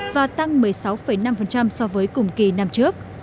và tăng một mươi sáu năm so với cùng kỳ năm trước